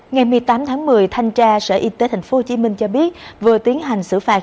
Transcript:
ngày một mươi tám tháng một mươi thanh tra sở y tế tp hcm cho biết vừa tiến hành xử phạt